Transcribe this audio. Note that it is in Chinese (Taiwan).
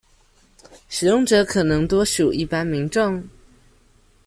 使用者可能多屬一般民眾